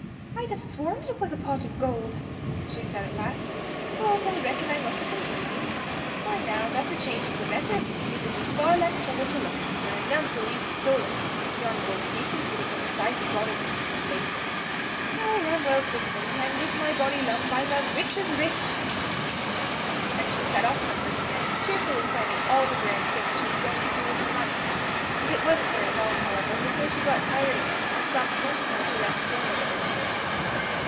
"I'd have sworn it was a pot of gold," she said at last, "but I reckon I must have been dreaming. Ay, now, that's a change for the better; it'll be far less trouble to look after, and none so easy stolen; yon gold pieces would have been a sight of bother to keep 'em safe. Ay, I'm well quit of them; and with my bonny lump I'm as rich as rich !" And she set off homewards again, cheerfully planning all the grand things she was going to do with her money. It wasn't very long, however, before she got tired again and stopped once more to rest for a minute or two.